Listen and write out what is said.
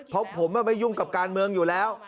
เพราะผมไม่ยุ่งกับการเมืองอยู่แล้ว